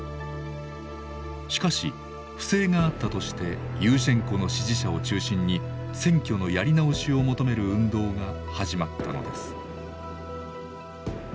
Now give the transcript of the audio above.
しかし不正があったとしてユーシェンコの支持者を中心に選挙のやり直しを求める運動が始まったのです。